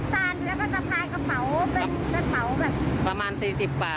ใส่เสื้อสีน้ำตาลแล้วก็สะพายกระเป๋าเป็นสะพายกระเป๋าแบบประมาณสี่สิบกว่า